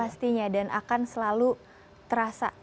pastinya dan akan selalu terasa